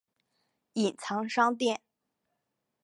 隐藏商店